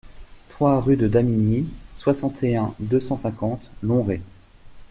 trois rue de Damigny, soixante et un, deux cent cinquante, Lonrai